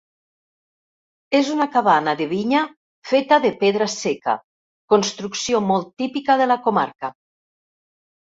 És una cabana de vinya feta de pedra seca, construcció molt típica de la comarca.